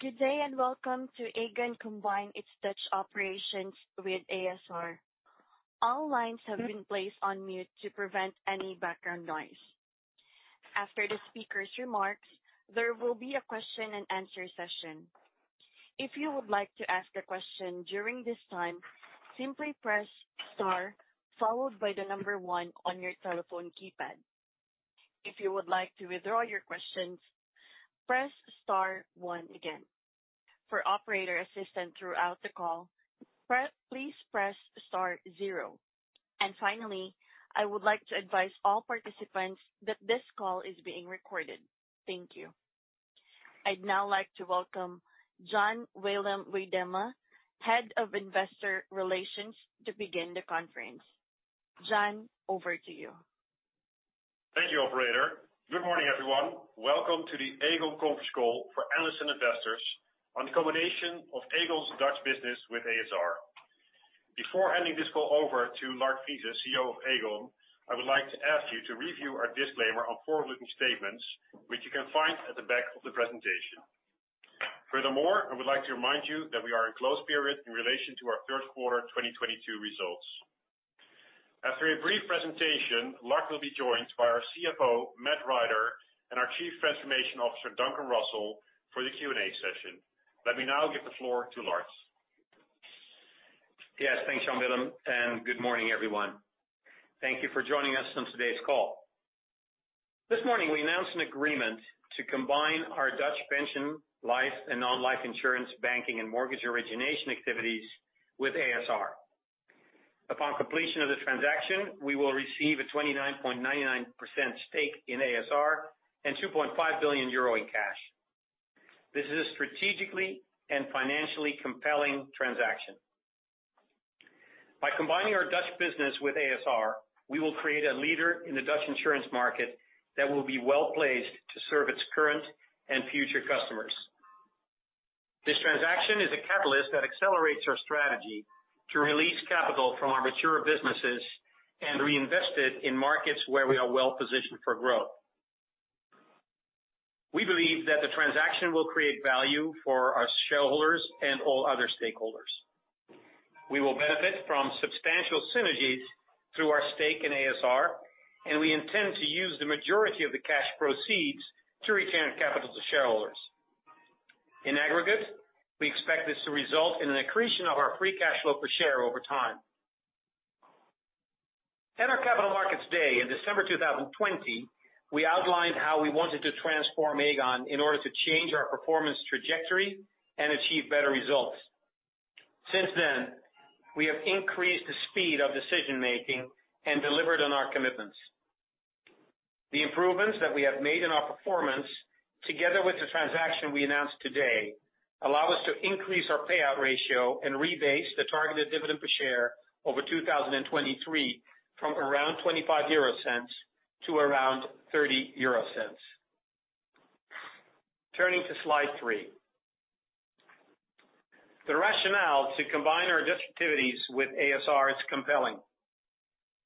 Good day, and welcome to Aegon combines its Dutch operations with ASR. All lines have been placed on mute to prevent any background noise. After the speaker's remarks, there will be a question and answer session. If you would like to ask a question during this time, simply press Star followed by the number one on your telephone keypad. If you would like to withdraw your questions, press star one again. For operator assistance throughout the call, please press star zero. Finally, I would like to advise all participants that this call is being recorded. Thank you. I'd now like to welcome Jan Willem Weidema, Head of Investor Relations, to begin the conference. Jan, over to you. Thank you, operator. Good morning, everyone. Welcome to the Aegon conference call for analysts and investors on the combination of Aegon's Dutch business with ASR. Before handing this call over to Lard Friese, CEO of Aegon, I would like to ask you to review our disclaimer on forward-looking statements, which you can find at the back of the presentation. Furthermore, I would like to remind you that we are in close period in relation to our third quarter 2022 results. After a brief presentation, Lard will be joined by our CFO, Matt Rider, and our Chief Transformation Officer, Duncan Russell, for the Q&A session. Let me now give the floor to Lard. Yes, thanks, Jan Willem Weidema, and good morning, everyone. Thank you for joining us on today's call. This morning we announced an agreement to combine our Dutch pension life and non-life insurance, banking and mortgage origination activities with ASR. Upon completion of the transaction, we will receive a 29.99% stake in ASR and 2.5 billion euro in cash. This is strategically and financially compelling transaction. By combining our Dutch business with ASR, we will create a leader in the Dutch insurance market that will be well-placed to serve its current and future customers. This transaction is a catalyst that accelerates our strategy to release capital from our mature businesses and reinvest it in markets where we are well-positioned for growth. We believe that the transaction will create value for our shareholders and all other stakeholders. We will benefit from substantial synergies through our stake in ASR, and we intend to use the majority of the cash proceeds to return capital to shareholders. In aggregate, we expect this to result in an accretion of our free cash flow per share over time. In our Capital Markets Day in December 2020, we outlined how we wanted to transform Aegon in order to change our performance trajectory and achieve better results. Since then, we have increased the speed of decision-making and delivered on our commitments. The improvements that we have made in our performance, together with the transaction we announced today, allow us to increase our payout ratio and rebase the targeted dividend per share over 2023 from around 0.25 to around 0.30. Turning to slide three. The rationale to combine our Dutch activities with ASR is compelling.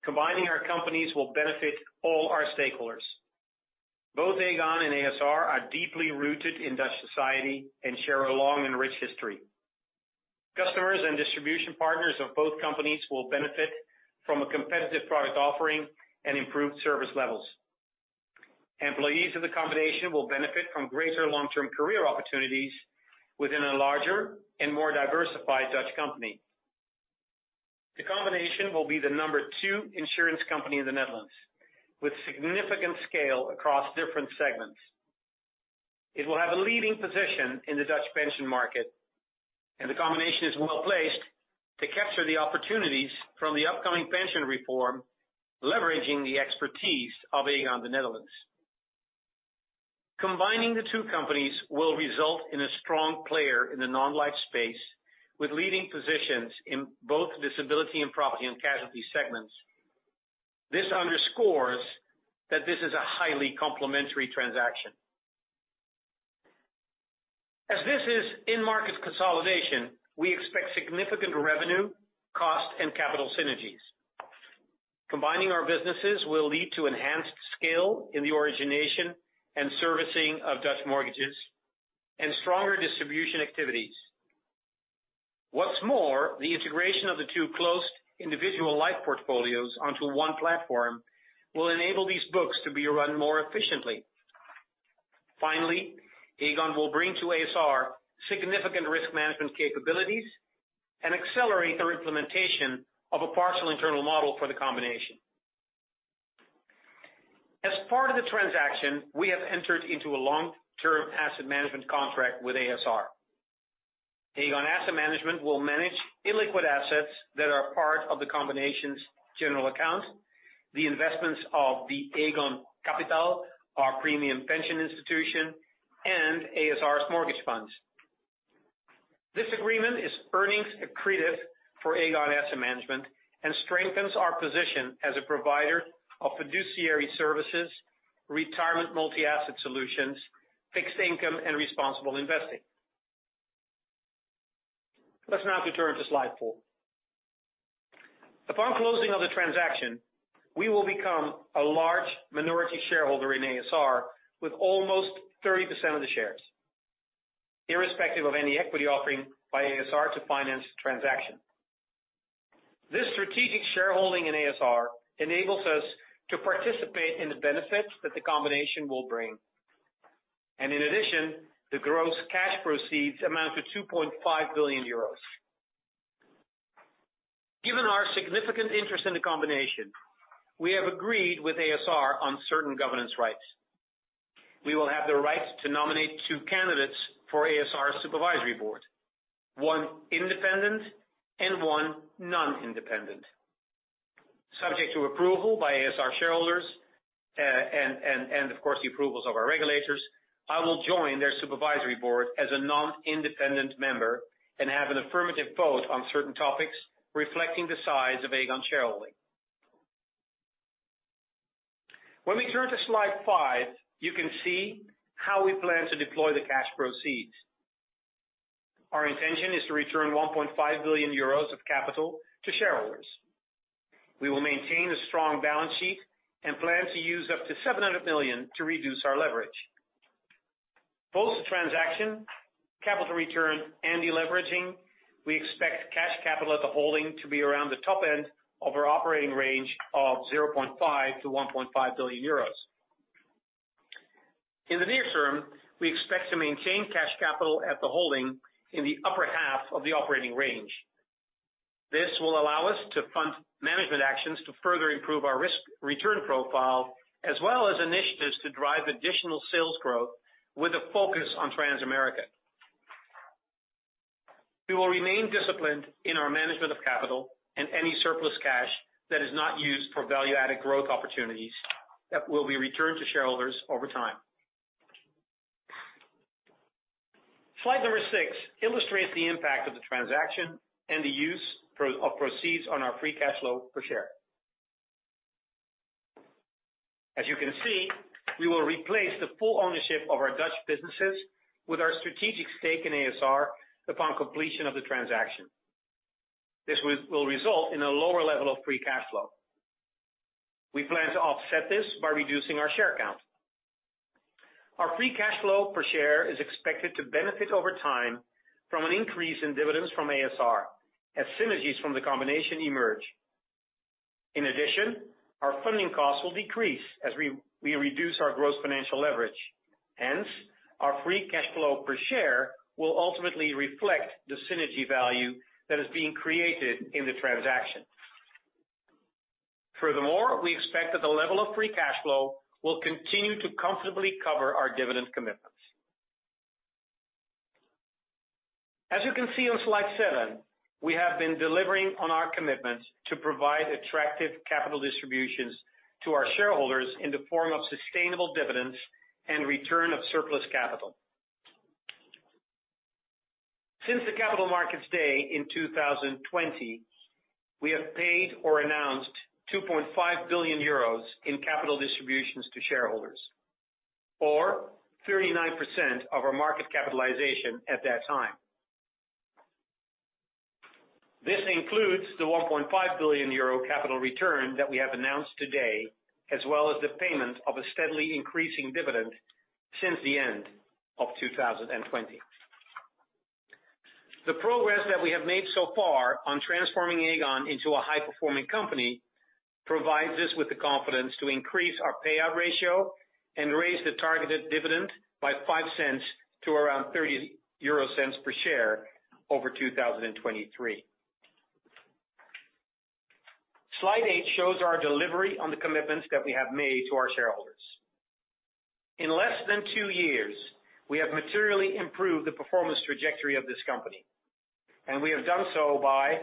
Combining our companies will benefit all our stakeholders. Both Aegon and ASR are deeply rooted in Dutch society and share a long and rich history. Customers and distribution partners of both companies will benefit from a competitive product offering and improved service levels. Employees of the combination will benefit from greater long-term career opportunities within a larger and more diversified Dutch company. The combination will be the number two insurance company in the Netherlands with significant scale across different segments. It will have a leading position in the Dutch pension market, and the combination is well placed to capture the opportunities from the upcoming pension reform, leveraging the expertise of Aegon, the Netherlands. Combining the two companies will result in a strong player in the non-life space, with leading positions in both disability and property and casualty segments. This underscores that this is a highly complementary transaction. As this is in-market consolidation, we expect significant revenue, cost, and capital synergies. Combining our businesses will lead to enhanced scale in the origination and servicing of Dutch mortgages and stronger distribution activities. What's more, the integration of the two closed individual life portfolios onto one platform will enable these books to be run more efficiently. Finally, Aegon will bring to ASR significant risk management capabilities and accelerate their implementation of a partial internal model for the combination. As part of the transaction, we have entered into a long-term asset management contract with ASR. Aegon Asset Management will manage illiquid assets that are part of the combination's general account, the investments of the Aegon Cappital, our premium pension institution, and ASR's mortgage funds. This agreement is earnings accretive for Aegon Asset Management and strengthens our position as a provider of fiduciary services, retirement multi-asset solutions, fixed income, and responsible investing. Let's now to turn to slide four. Upon closing of the transaction, we will become a large minority shareholder in ASR, with almost 30% of the shares, irrespective of any equity offering by ASR to finance the transaction. This strategic shareholding in ASR enables us to participate in the benefits that the combination will bring. In addition, the gross cash proceeds amount to 2.5 billion euros. Given our significant interest in the combination, we have agreed with ASR on certain governance rights. We will have the right to nominate two candidates for ASR Supervisory Board, one independent and one non-independent. Subject to approval by ASR shareholders, and of course, the approvals of our regulators, I will join their supervisory board as a non-independent member and have an affirmative vote on certain topics reflecting the size of Aegon shareholding. When we turn to slide five, you can see how we plan to deploy the cash proceeds. Our intention is to return 1.5 billion euros of capital to shareholders. We will maintain a strong balance sheet and plan to use up to 700 million to reduce our leverage. Post-transaction capital return and deleveraging, we expect cash capital as a holding to be around the top end of our operating range of 0.5 billion-1.5 billion euros. In the near term, we expect to maintain cash capital at the holding in the upper half of the operating range. This will allow us to fund management actions to further improve our risk-return profile, as well as initiatives to drive additional sales growth with a focus on Transamerica. We will remain disciplined in our management of capital and any surplus cash that is not used for value-added growth opportunities that will be returned to shareholders over time. Slide six illustrates the impact of the transaction and the use of proceeds on our free cash flow per share. As you can see, we will replace the full ownership of our Dutch businesses with our strategic stake in ASR upon completion of the transaction. This will result in a lower level of free cash flow. We plan to offset this by reducing our share count. Our free cash flow per share is expected to benefit over time from an increase in dividends from ASR as synergies from the combination emerge. In addition, our funding costs will decrease as we reduce our gross financial leverage. Hence, our free cash flow per share will ultimately reflect the synergy value that is being created in the transaction. Furthermore, we expect that the level of free cash flow will continue to comfortably cover our dividend commitments. As you can see on slide seven, we have been delivering on our commitments to provide attractive capital distributions to our shareholders in the form of sustainable dividends and return of surplus capital. Since the Capital Markets Day in 2020, we have paid or announced 2.5 billion euros in capital distributions to shareholders, or 39% of our market capitalization at that time. This includes the 1.5 billion euro capital return that we have announced today, as well as the payment of a steadily increasing dividend since the end of 2020. The progress that we have made so far on transforming Aegon into a high-performing company provides us with the confidence to increase our payout ratio and raise the targeted dividend by 0.05 to around 0.30 per share over 2023. Slide eight shows our delivery on the commitments that we have made to our shareholders. In less than two years, we have materially improved the performance trajectory of this company, and we have done so by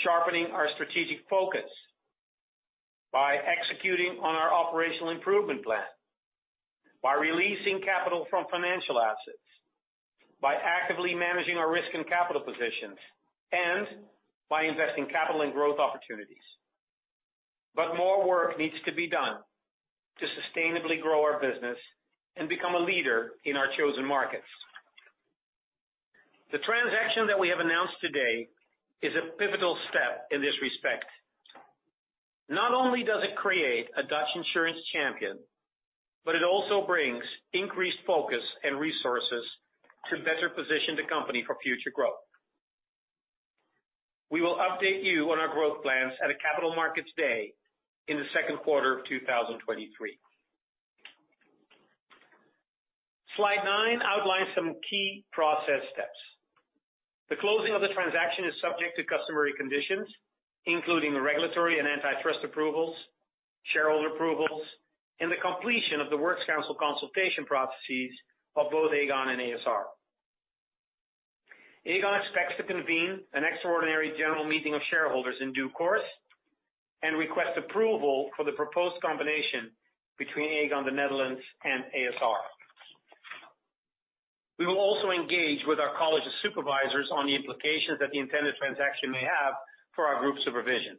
sharpening our strategic focus, by executing on our operational improvement plan, by releasing capital from financial assets, by actively managing our risk and capital positions, and by investing capital in growth opportunities. More work needs to be done to sustainably grow our business and become a leader in our chosen markets. The transaction that we have announced today is a pivotal step in this respect. Not only does it create a Dutch insurance champion, but it also brings increased focus and resources to better position the company for future growth. We will update you on our growth plans at a Capital Markets Day in the second quarter of 2023. Slide nine` outlines some key process steps. The closing of the transaction is subject to customary conditions, including the regulatory and antitrust approvals, shareholder approvals, and the completion of the works council consultation processes of both Aegon and ASR. Aegon expects to convene an extraordinary general meeting of shareholders in due course and request approval for the proposed combination between Aegon Nederland and ASR. We will also engage with our college of supervisors on the implications that the intended transaction may have for our group supervision.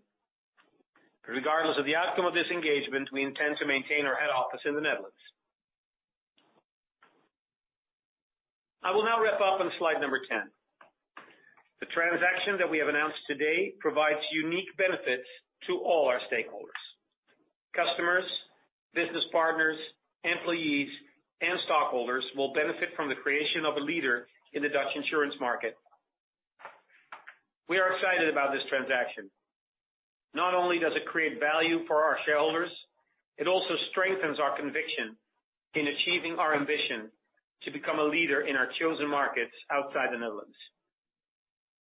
Regardless of the outcome of this engagement, we intend to maintain our head office in the Netherlands. I will now wrap up on slide number 10. The transaction that we have announced today provides unique benefits to all our stakeholders. Customers, business partners, employees and stockholders will benefit from the creation of a leader in the Dutch insurance market. We are excited about this transaction. Not only does it create value for our shareholders, it also strengthens our conviction in achieving our ambition to become a leader in our chosen markets outside the Netherlands.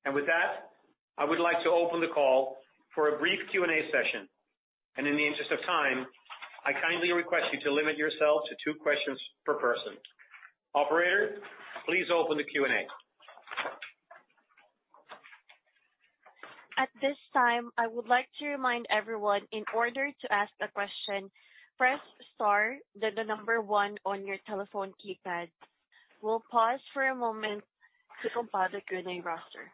With that, I would like to open the call for a brief Q&A session. In the interest of time, I kindly request you to limit yourself two questions per person. Operator, please open the Q&A. At this time, I would like to remind everyone, in order to ask the question, press star then the number one on your telephone keypad. We'll pause for a moment to compile the Q&A roster.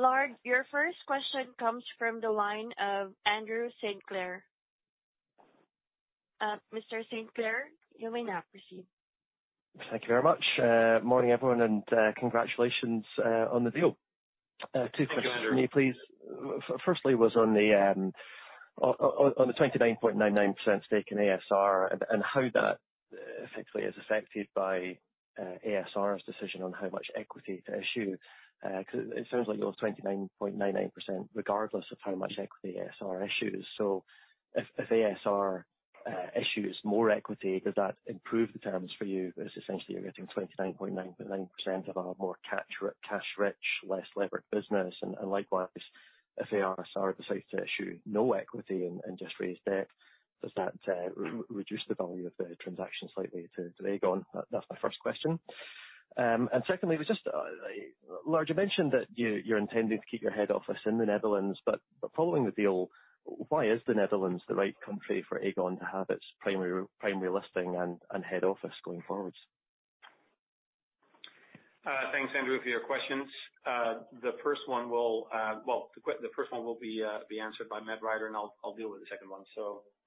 Lard, your first question comes from the line of Andrew Sinclair. Mr. Sinclair, you may now proceed. Thank you very much. Morning, everyone, and congratulations on the deal. Two questions for you, please. Good morning. First was on the 29.99% stake in ASR and how that effectively is affected by ASR's decision on how much equity to issue. Because it seems like you have 29.99% regardless of how much equity ASR issues. If ASR issues more equity, does that improve the terms for you? Because essentially you're getting 29.99% of a more cash-rich, less levered business. Likewise, if ASR decides to issue no equity and just raise debt, does that reduce the value of the transaction slightly to Aegon? That's my first question. Secondly, Lard, you mentioned that you're intending to keep your head office in the Netherlands, but following the deal, why is the Netherlands the right country for Aegon to have its primary listing and head office going forward? Thanks, Andrew, for your questions. The first one will be answered by Matt Rider, and I'll deal with the second one.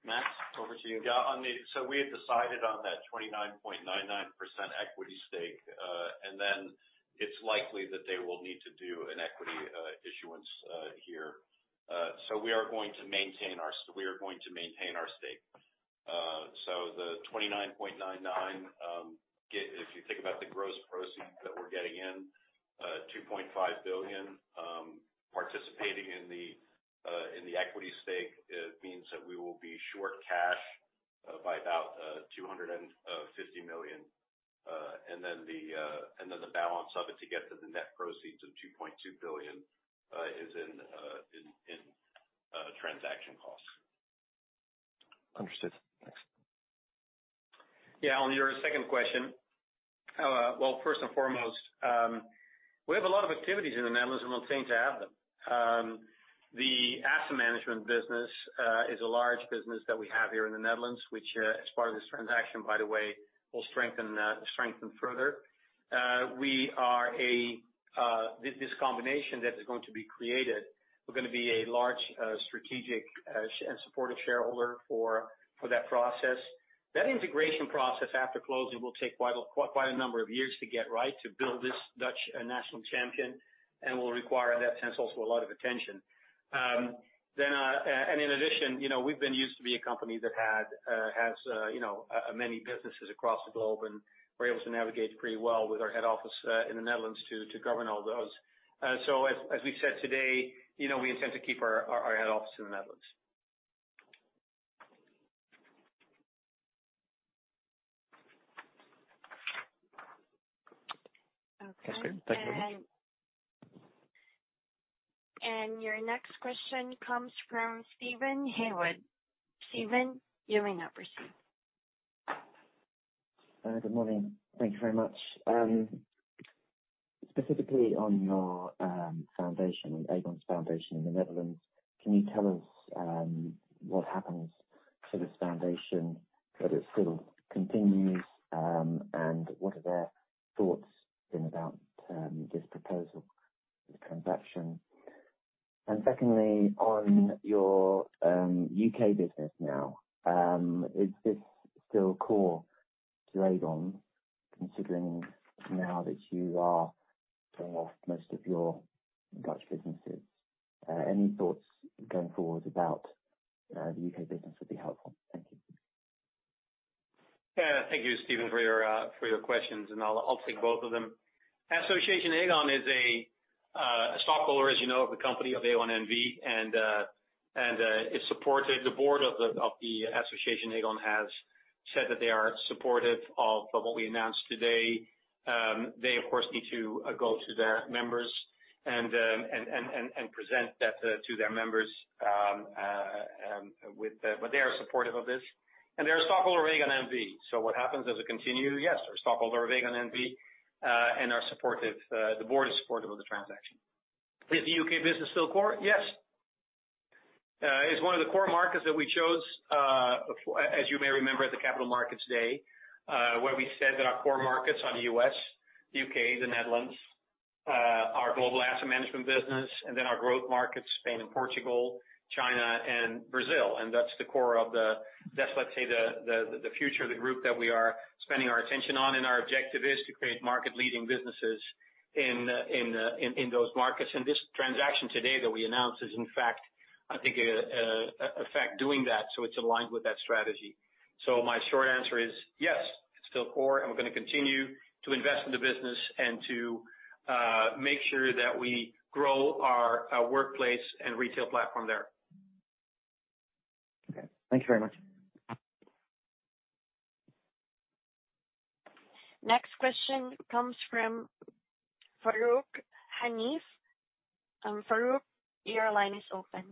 Matt, over to you. We had decided on that 29.99% equity stake, and then it's likely that they will need to do an equity issuance here. We are going to maintain our stake. The 29.99%, if you think about the gross proceeds that we're getting in, 2.5 billion, participating in the equity stake, it means that we will be short cash by about 250 million. The balance of it to get to the net proceeds of 2.2 billion is in transaction costs. Understood. Thanks. Yeah, on your second question. Well, first and foremost, we have a lot of activities in the Netherlands and we'll continue to have them. The asset management business is a large business that we have here in the Netherlands, which, as part of this transaction, by the way, will strengthen further. This combination that is going to be created, we're gonna be a large strategic and supportive shareholder for that process. That integration process after closing will take quite a number of years to get right to build this Dutch national champion and will require in that sense also a lot of attention. In addition, you know, we've been used to be a company that has, you know, many businesses across the globe, and we're able to navigate pretty well with our head office in the Netherlands to govern all those. As we said today, you know, we intend to keep our head office in the Netherlands. Your next question comes from Steven Haywood. Steven, you may now proceed. Good morning. Thank you very much. Specifically on your foundation, Aegon's foundation in the Netherlands, can you tell us what happens to this foundation, whether it still continues, and what are their thoughts been about this proposal, the transaction? Secondly, on your U.K. business now, is this still core to Aegon, considering now that you are selling off most of your Dutch businesses? Any thoughts going forward about the U.K. business would be helpful. Thank you. Yeah. Thank you, Steven, for your questions, and I'll take both of them. Aegon is a stockholder, as you know, of the company of Aegon NV, and it's supported. The board of the association Aegon has said that they are supportive of what we announced today. They, of course, need to go to their members and present that to their members. But they are supportive of this. They're a stockholder of Aegon NV. What happens? Does it continue? Yes. They're a stockholder of Aegon NV, and are supportive. The board is supportive of the transaction. Is the U.K. business still core? Yes. It's one of the core markets that we chose. As you may remember at the Capital Markets Day, where we said that our core markets are the U.S., U.K., the Netherlands, our global asset management business and then our growth markets, Spain and Portugal, China and Brazil. That's the core. That's let's say the future of the group that we are spending our attention on, and our objective is to create market-leading businesses in those markets. This transaction today that we announced is in fact, I think, in effect doing that. It's aligned with that strategy. My short answer is yes, it's still core and we're gonna continue to invest in the business and to make sure that we grow our workplace and retail platform there. Okay. Thank you very much. Next question comes from Farooq Hanif. Farooq, your line is open.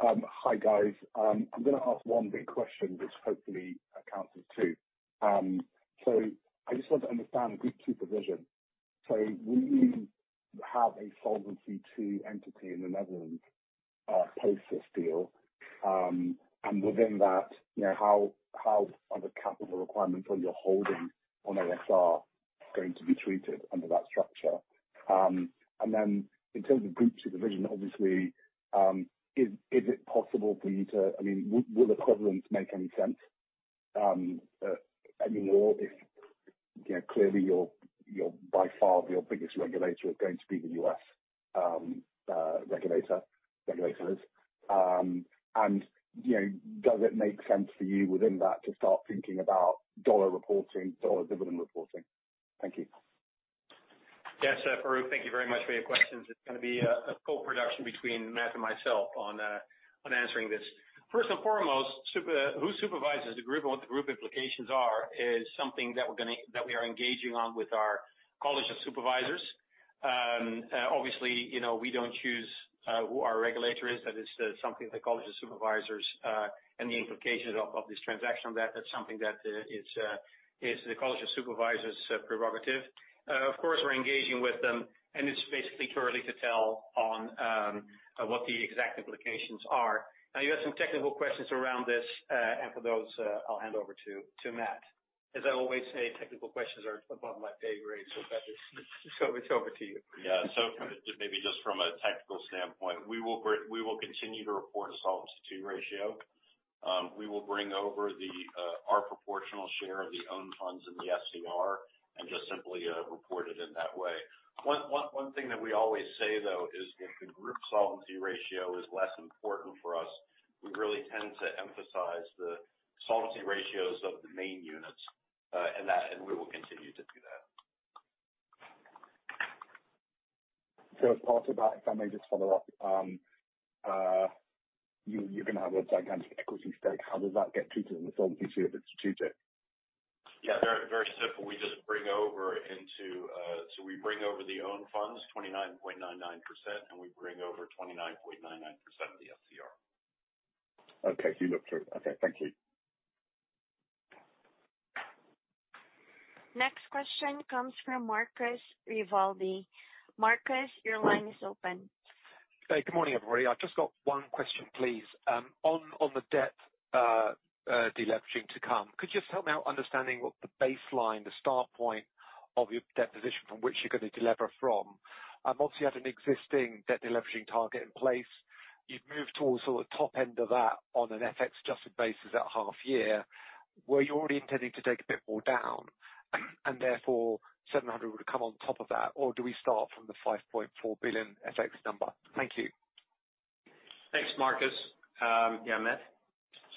Hi guys. I'm gonna ask one big question which hopefully accounts for two. I just want to understand group supervision. Will you have a Solvency II entity in the Netherlands post this deal? Within that, you know, how are the capital requirements on your holding in ASR going to be treated under that structure? Then in terms of group supervision, obviously, I mean, will equivalence make any sense anymore if, you know, clearly your by far biggest regulator is going to be the U.S. regulators? You know, does it make sense for you within that to start thinking about dollar reporting, dollar dividend reporting? Thank you. Yes, Farooq, thank you very much for your questions. It's gonna be a co-production between Matt and myself on answering this. First and foremost, who supervises the group and what the group implications are is something that we are engaging on with our college of supervisors. Obviously, you know, we don't choose who our regulator is. That is something the college of supervisors, and the implications of this transaction, that's something that is the college of supervisors' prerogative. Of course, we're engaging with them, and it's basically too early to tell on what the exact implications are. Now, you asked some technical questions around this, and for those, I'll hand over to Matt. As I always say, technical questions are above my pay grade, so Matt is. It's over to you. Yeah. Maybe just from a technical standpoint, we will continue to report a Solvency II ratio. We will bring over our proportional share of the own funds in the SCR and just simply report it in that way. One thing that we always say though is if the group solvency ratio is less important for us, we really tend to emphasize the solvency ratios of the main units. We will continue to do that. As part of that, if I may just follow up, you're gonna have a gigantic equity stake. How does that get treated in the Solvency II ratio? Yeah. Very, very simple. We just bring over the own funds, 29.99%, and we bring over 29.99% of the SCR. Okay. You look through it. Okay. Thank you. Next question comes from Marcus Rivaldi. Marcus, your line is open. Hey, good morning, everybody. I've just got one question, please. On the debt deleveraging to come, could you just help me out understanding what the baseline, the start point of your debt position from which you're gonna delever from? Obviously you have an existing debt deleveraging target in place. You've moved towards sort of top end of that on an FX-adjusted basis at half year. Were you already intending to take a bit more down and therefore 700 million would have come on top of that? Or do we start from the 5.4 billion FX number? Thank you. Thanks, Marcus. Yeah, Matt.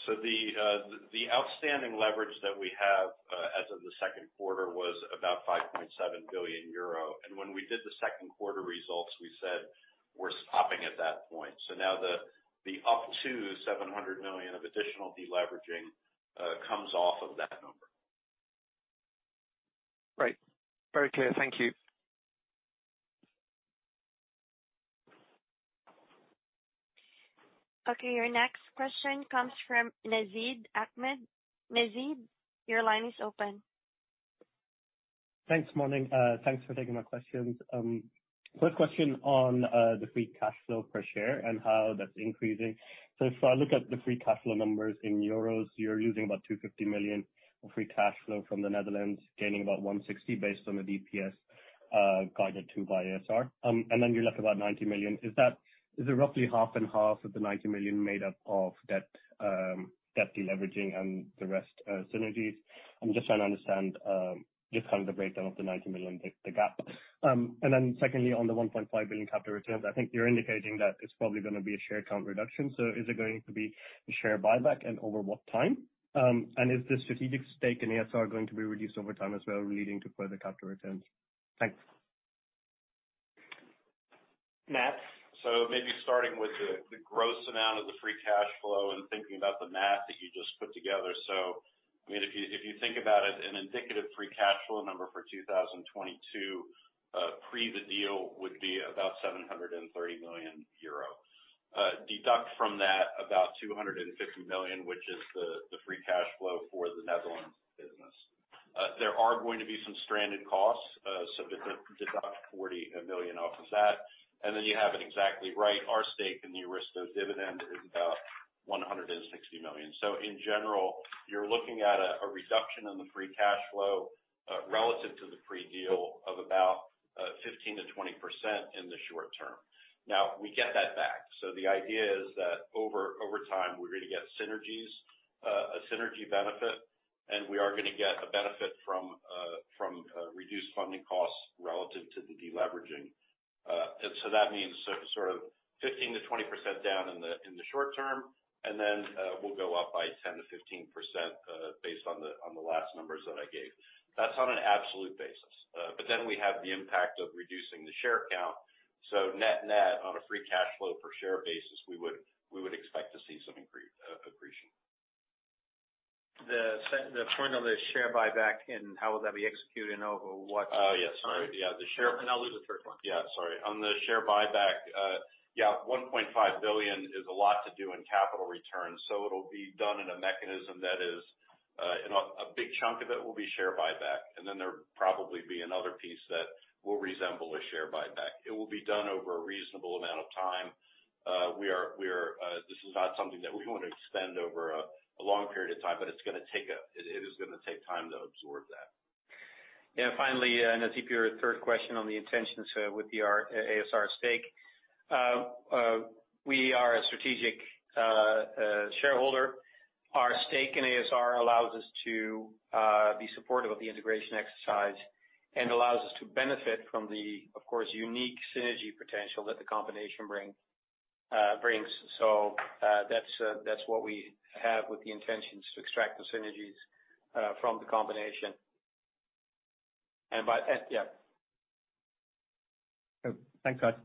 The outstanding leverage that we have as of the second quarter was about 5.7 billion euro. When we did the second quarter results, we said we're stopping at that point. Now the up to 700 million of additional deleveraging comes off of that number. Right. Very clear. Thank you. Okay, your next question comes from Nasib Ahmed. Nasib, your line is open. Thanks. Morning. Thanks for taking my questions. First question on the free cash flow per share and how that's increasing. If I look at the free cash flow numbers in euros, you're losing about 250 million of free cash flow from the Netherlands, gaining about 160 based on the DPS guided to by ASR. And then you're left about 90 million. Is it roughly half and half of the 90 million made up of debt deleveraging and the rest synergies? I'm just trying to understand just kind of the breakdown of the 90 million, the gap. And then secondly, on the 1.5 billion capital returns, I think you're indicating that it's probably gonna be a share count reduction. Is it going to be a share buyback and over what time? Is the strategic stake in ASR going to be reduced over time as well, leading to further capital returns? Thanks. Matt. Maybe starting with the gross amount of the free cash flow and thinking about the math that you just put together. I mean, if you think about it, an indicative free cash flow number for 2022, pre the deal would be about 730 million euro. Deduct from that about 250 million, which is the free cash flow for the Netherlands. There are going to be some stranded costs, so deduct about 40 million off of that. Then you have it exactly right. Our stake in the ASR dividend is about 160 million. In general, you're looking at a reduction in the free cash flow, relative to the pre-deal of about 15%-20% in the short term. Now, we get that back. The idea is that over time, we're gonna get synergies, a synergy benefit, and we are gonna get a benefit from reduced funding costs relative to the deleveraging. That means sort of 15%-20% down in the short term, and then we'll go up by 10%-15%, based on the last numbers that I gave. That's on an absolute basis. But then we have the impact of reducing the share count. Net-net, on a free cash flow per share basis, we would expect to see some accretion. The point on the share buyback and how will that be executed and over what? Yes. Sorry. Yeah. The share- I'll do the third one. Sorry. On the share buyback, yeah, 1.5 billion is a lot to do in capital returns, so it'll be done in a mechanism that is in a big chunk of it will be share buyback. Then there probably be another piece that will resemble a share buyback. It will be done over a reasonable amount of time. This is not something that we want to extend over a long period of time, but it's gonna take time to absorb that. Finally, I think your third question on the intentions with the ASR stake. We are a strategic shareholder. Our stake in ASR allows us to be supportive of the integration exercise and allows us to benefit from the, of course, unique synergy potential that the combination brings. That's what we have with the intentions to extract the synergies from the combination. Good. Thanks, guys.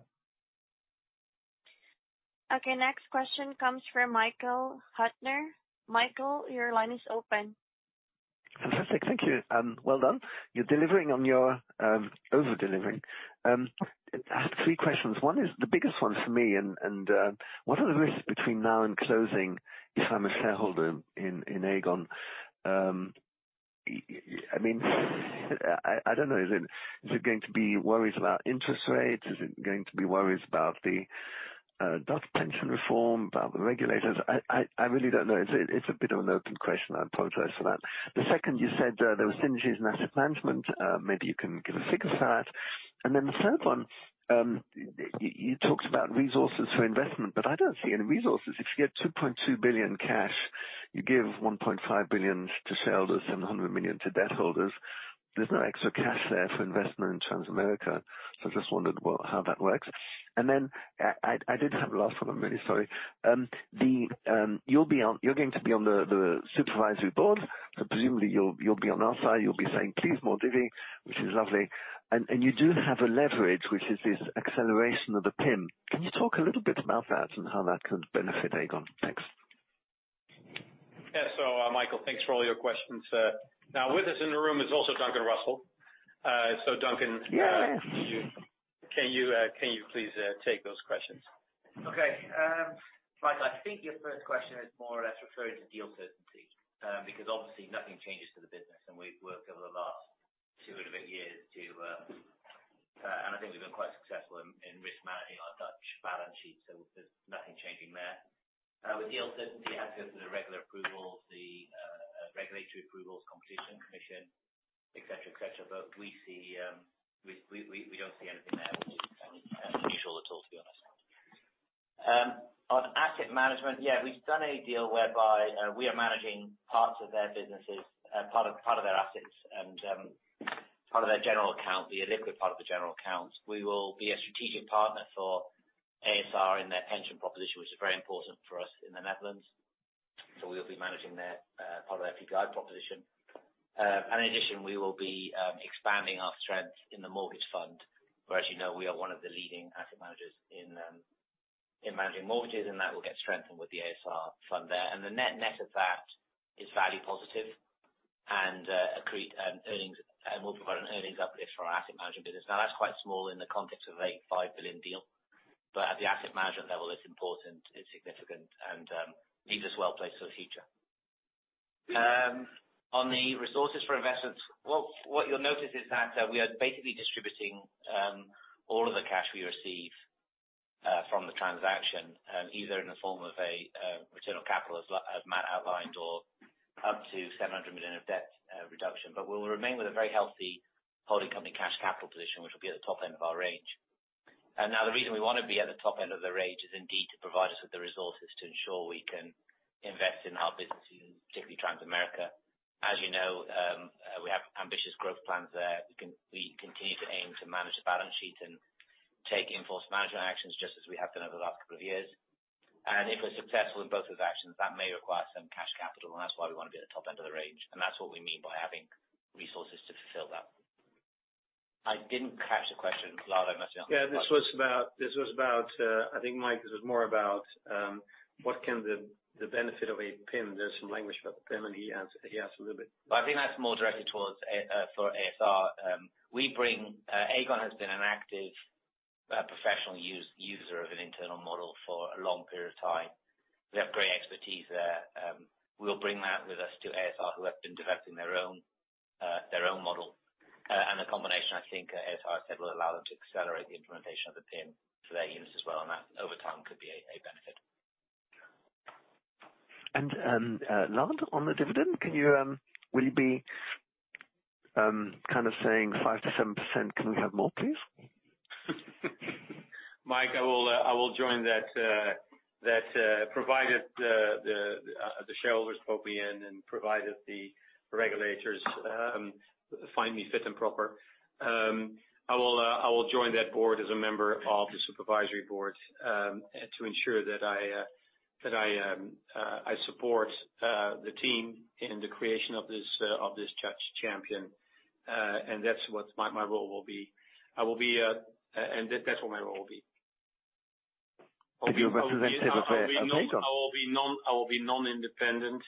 Okay. Next question comes from Michael Huttner. Michael, your line is open. Fantastic. Thank you. Well done. You're delivering on your over-delivering. Ask three questions. One is the biggest one for me and what are the risks between now and closing if I'm a shareholder in Aegon? I mean, I don't know. Is it going to be worries about interest rates? Is it going to be worries about the Dutch pension reform, about the regulators? I really don't know. It's a bit of an open question, I apologize for that. The second you said there were synergies in asset management, maybe you can give a figure for that. The third one, you talked about resources for investment, but I don't see any resources. If you get $2.2 billion cash, you give $1.5 billion to shareholders and $100 million to debt holders, there's no extra cash there for investment in Transamerica. I just wondered what, how that works. I did have last one. I'm really sorry. You're going to be on the Supervisory Board. Presumably you'll be on our side. You'll be saying, "Please, more divvy," which is lovely. You do have a leverage, which is this acceleration of the PIM. Can you talk a little bit about that and how that could benefit Aegon? Thanks. Yeah. Michael, thanks for all your questions. Now with us in the room is also Duncan Russell. Duncan- Yeah. Can you please take those questions? Okay. Michael Huttner, I think your first question is more or less referring to deal certainty, because obviously nothing changes to the business, and we've worked over the last two and a bit years, and I think we've been quite successful in risk managing our Dutch balance sheet, so there's nothing changing there. With deal certainty, it has to go through the regular approvals, regulatory approvals, competition commission, et cetera, et cetera. We don't see anything there which is kind of unusual at all, to be honest. On asset management, yeah, we've done a deal whereby we are managing parts of their businesses, part of their assets and, part of their general account, the illiquid part of the general account. We will be a strategic partner for ASR in their pension proposition, which is very important for us in the Netherlands. We'll be managing their part of their PPI proposition. In addition, we will be expanding our strength in the mortgage fund, where, as you know, we are one of the leading asset managers in managing mortgages, and that will get strengthened with the ASR fund there. The net-net of that is value positive and accrete earnings will provide an earnings uplift for our asset management business. Now, that's quite small in the context of a 5 billion deal, but at the asset management level, it's important, it's significant and leaves us well placed for the future. On the resources for investments, what you'll notice is that we are basically distributing all of the cash we receive from the transaction either in the form of a return of capital, as Matt outlined, or up to 700 million of debt reduction. We'll remain with a very healthy holding company cash capital position, which will be at the top end of our range. The reason we wanna be at the top end of the range is indeed to provide us with the resources to ensure we can invest in our businesses, particularly Transamerica. As you know, we have ambitious growth plans there. We continue to aim to manage the balance sheet and take enhanced management actions just as we have done over the last couple of years. If we're successful in both of the actions, that may require some cash capital, and that's why we wanna be at the top end of the range. That's what we mean by having resources to fulfill that. I didn't catch the question, Lard, I must say. This was about, I think, Mike, this was more about what can the benefit of a PIM, there's some language about PIM, and he asked a little bit. I think that's more directed towards for ASR. Aegon has been an active professional user of an internal model for a long period of time. We have great expertise there. We'll bring that with us to ASR, who have been developing their own model. The combination, I think, as I said, will allow them to accelerate the implementation of the PIM for their units as well, and that over time could be a benefit. Lard, on the dividend, will you be kind of saying 5%-7%, can we have more, please? Mike, I will join that, provided the shareholders vote me in and provided the regulators find me fit and proper. I will join that board as a member of the supervisory board to ensure that I support the team in the creation of this Dutch champion. That's what my role will be. Will you be representative of Aegon? I will be non-independent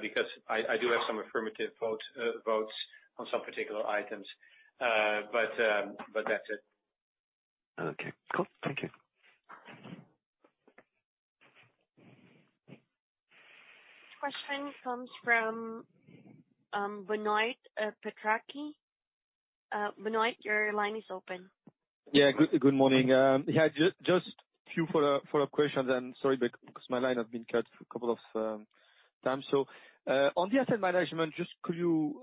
because I do have some affirmative votes on some particular items, but that's it. Okay, cool. Thank you. Question comes from Benoît Pétrarque. Benoît, your line is open. Yeah. Good morning. Just a few follow-up questions. Sorry because my line has been cut for a couple of times. On the asset management, just could you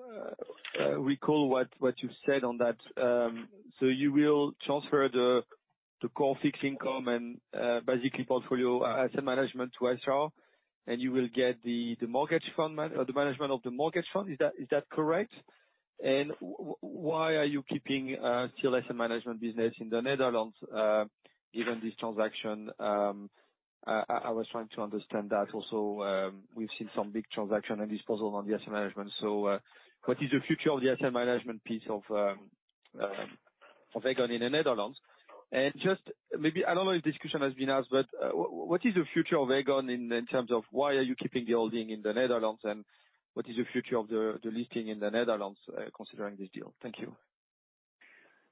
recall what you said on that? So you will transfer the core fixed income and basically portfolio asset management to ASR, and you will get the management of the mortgage fund. Is that correct? Why are you keeping TLS and management business in the Netherlands given this transaction? I was trying to understand that also. We've seen some big transaction and disposal on the asset management. What is the future of the asset management piece of Aegon in the Netherlands? Just maybe. I don't know if this question has been asked, but what is the future of Aegon in terms of why are you keeping the holding in the Netherlands? What is the future of the listing in the Netherlands, considering this deal? Thank you.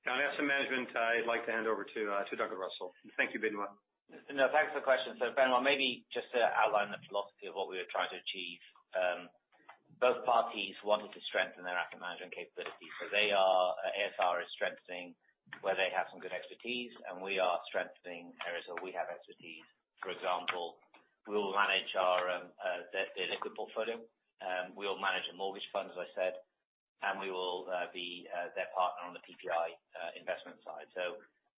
On asset management, I'd like to hand over to Duncan Russell. Thank you, Benoît. No, thanks for the question. Benoît, maybe just to outline the philosophy of what we were trying to achieve. Both parties wanted to strengthen their asset management capabilities. They are, ASR is strengthening where they have some good expertise, and we are strengthening areas where we have expertise. For example, we will manage their liquid portfolio. We'll manage a mortgage fund, as I said, and we will be their partner on the PPI investment side.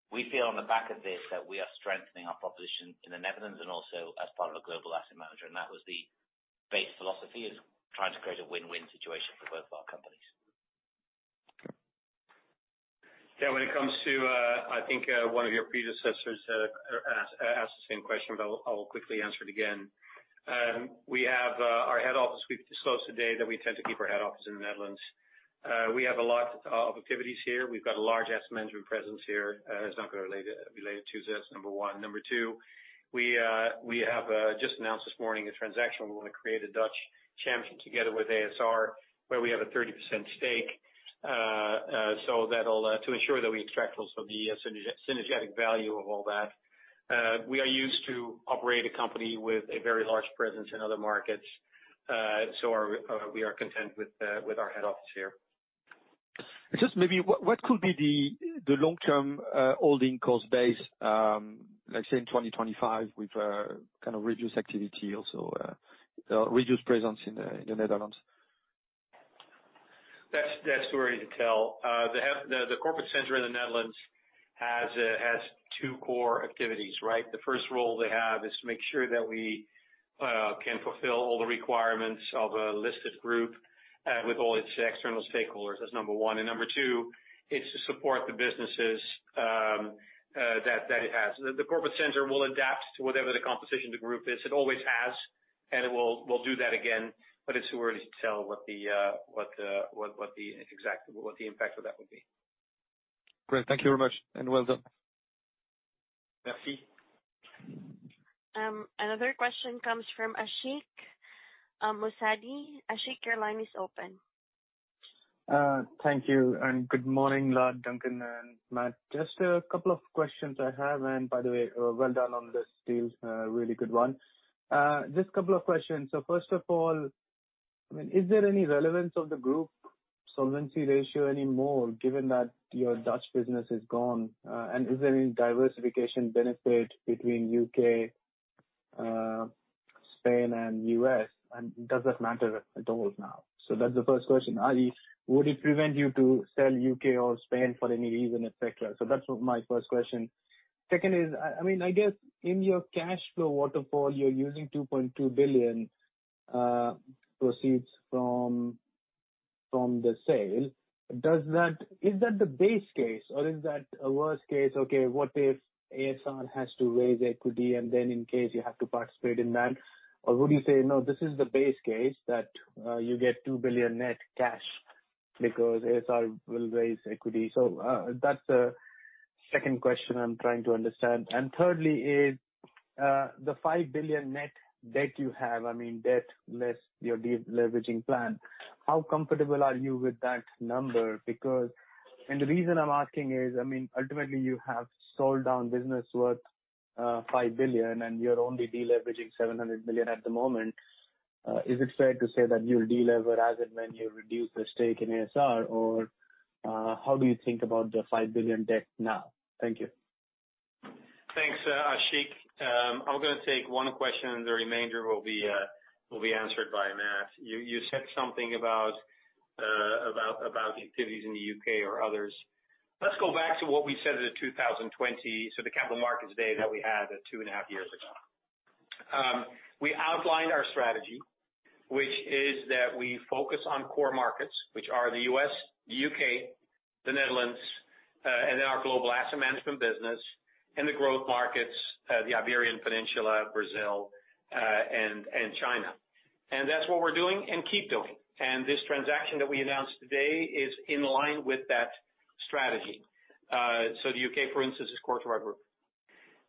We feel on the back of this that we are strengthening our proposition in the Netherlands and also as part of a global asset manager. That was the base philosophy, is trying to create a win-win situation for both of our companies. Okay. Yeah, when it comes to, I think, one of your predecessors asked the same question, but I will quickly answer it again. We have our head office, we've disclosed today that we intend to keep our head office in the Netherlands. We have a lot of activities here. We've got a large asset management presence here, it's not gonna relate to this, number one. Number two, we have just announced this morning a transaction. We want to create a Dutch champion together with ASR, where we have a 30% stake. So that'll to ensure that we extract also the synergistic value of all that. We are used to operate a company with a very large presence in other markets. We are content with our head office here. Just maybe what could be the long-term holding cost base, let's say in 2025, with kind of reduced activity also, reduced presence in the Netherlands? That's too early to tell. The corporate center in the Netherlands has two core activities, right? The first role they have is to make sure that we can fulfill all the requirements of a listed group with all its external stakeholders. That's number one. Number two, it's to support the businesses that it has. The corporate center will adapt to whatever the composition of the group is. It always has, and it will do that again, but it's too early to tell what the exact impact of that would be. Great. Thank you very much, and well done. Ashik. Another question comes from Ashik Musaddi. Ashik, your line is open. Thank you and good morning, Lard, Duncan, and Matt. Just a couple of questions I have. By the way, well done on this deal. Really good one. Just couple of questions. First of all, I mean, is there any relevance of the group solvency ratio anymore, given that your Dutch business is gone? And is there any diversification benefit between U.K., Spain and U.S, and does that matter at all now? That's the first question. I.e., would it prevent you to sell U.K. or Spain for any reason, et cetera? That's my first question. Second is, I mean, I guess in your cash flow waterfall, you're using 2.2 billion proceeds from the sale. Is that the base case or is that a worst case? Okay, what if ASR has to raise equity and then in case you have to participate in that? Or would you say, "No, this is the base case that you get 2 billion net cash because ASR will raise equity." That's the second question I'm trying to understand. Thirdly is, the 5 billion net debt you have, I mean, debt less your deleveraging plan, how comfortable are you with that number? Because. The reason I'm asking is, I mean, ultimately you have sold down business worth 5 billion and you're only deleveraging 700 million at the moment. Is it fair to say that you'll deleverage as and when you reduce the stake in ASR? Or how do you think about the 5 billion debt now? Thank you. Thanks, Ashik. I'm gonna take one question and the remainder will be answered by Matt. You said something about the activities in the U.K. or others. Let's go back to what we said at the 2020, so the Capital Markets Day that we had two and a half years ago. We outlined our strategy, which is that we focus on core markets, which are the U.S.., the U.K., the Netherlands, and then our global asset management business and the growth markets, the Iberian Peninsula, Brazil, and China. That's what we're doing and keep doing. This transaction that we announced today is in line with that strategy. The U.K.., for instance, is core to our group.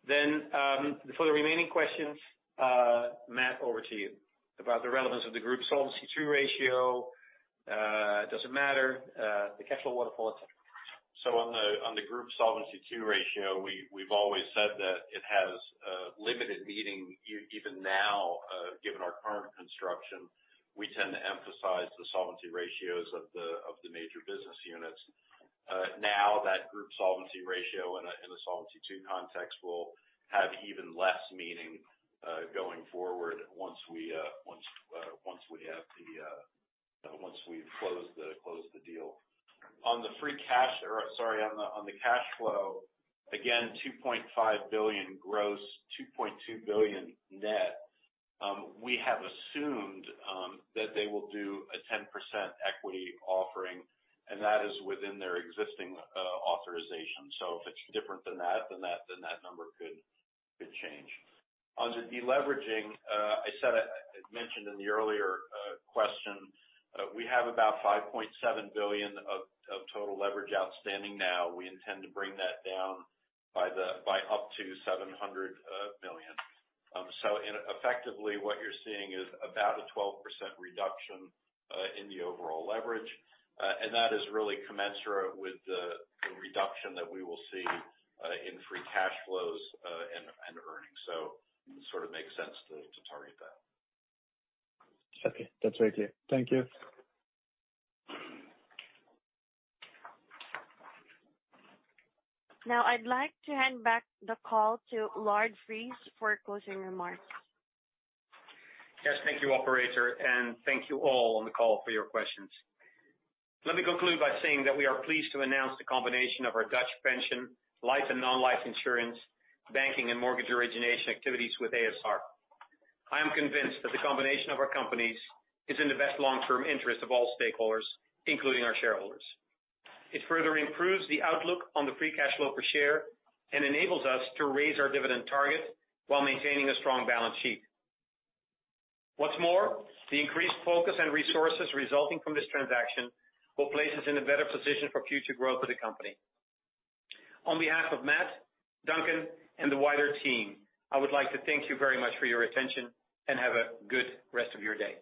For the remaining questions, Matt, over to you. About the relevance of the group Solvency II ratio, doesn't matter, the capital or the quality. On the group Solvency II ratio, we've always said that it has limited meaning even now, given our current construction. We tend to emphasize the solvency ratios of the major business units. Now, the group solvency ratio in a Solvency II context will have even less meaning going forward once we've closed the deal. On the cash flow, again, 2.5 billion gross, 2.2 billion net. We have assumed that they will do a 10% equity offering, and that is within their existing authorization. If it's different than that, then that number could change. On the deleveraging, I mentioned in the earlier question, we have about 5.7 billion of total leverage outstanding now. We intend to bring that down by up to 700 million. Effectively, what you're seeing is about a 12% reduction in the overall leverage. That is really commensurate with the reduction that we will see in free cash flows and earnings. It sort of makes sense to target that. Okay. That's very clear. Thank you. Now I'd like to hand back the call to Lard Friese for closing remarks. Yes. Thank you, operator, and thank you all on the call for your questions. Let me conclude by saying that we are pleased to announce the combination of our Dutch pension, life and non-life insurance, banking and mortgage origination activities with ASR. I am convinced that the combination of our companies is in the best long-term interest of all stakeholders, including our shareholders. It further improves the outlook on the free cash flow per share and enables us to raise our dividend target while maintaining a strong balance sheet. What's more, the increased focus and resources resulting from this transaction will place us in a better position for future growth of the company. On behalf of Matt, Duncan, and the wider team, I would like to thank you very much for your attention and have a good rest of your day.